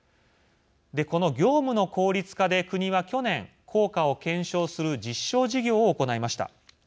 この業務の効率化で国は去年効果を検証する実証事業を行いました。